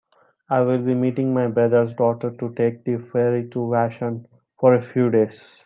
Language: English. I will be meeting my brother's daughter to take the ferry to Vashon for a few days.